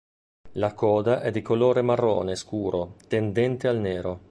La coda è di colore marrone scuro, tendente al nero.